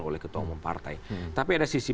oleh ketua umum partai tapi ada sisi